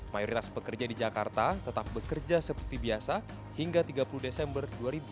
mayoritas pekerja di jakarta tetap bekerja seperti biasa hingga tiga puluh desember dua ribu dua puluh